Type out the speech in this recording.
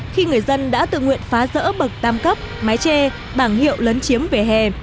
khi người dân đã tự nguyện phá rỡ bậc tam cấp mái che bảng hiệu lấn chiếm về hè